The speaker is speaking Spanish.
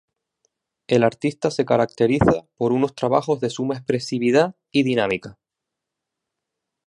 El artista se caracteriza por unos trabajos de suma expresividad y dinámica.